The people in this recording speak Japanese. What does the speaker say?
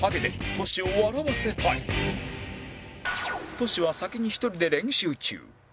トシは先に１人で練習中